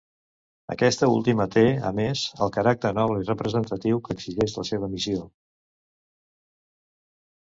Aquesta última té, a més, el caràcter noble i representatiu que exigeix la seva missió.